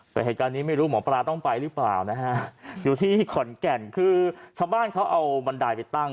แต่เหตุการณ์นี้ไม่รู้หมอปลาต้องไปหรือเปล่านะฮะอยู่ที่ขอนแก่นคือชาวบ้านเขาเอาบันไดไปตั้ง